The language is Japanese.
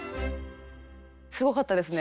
すごかったですね。